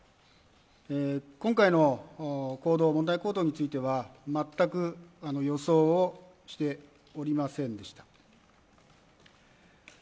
今回の行動、問題行動については、全く予想をしておりませんでした。